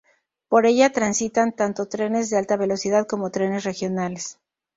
Por ella transitan tanto trenes de alta velocidad como trenes regionales.